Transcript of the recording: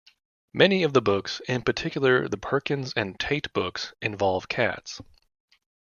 Many of the books, in particular the Perkins and Tate books, involve cats.